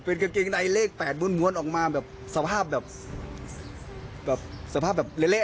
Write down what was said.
เป็นกางเกงในเลข๘ม้วนออกมาสภาพแบบเละนะครับ